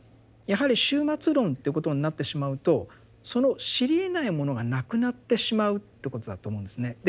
やはり終末論っていうことになってしまうとその知りえないものがなくなってしまうということだと思うんですね。